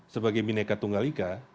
sebagai mineka tunggal ika